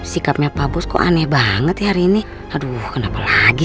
sikapnya pak bus kok aneh banget ya hari ini aduh kenapa lagi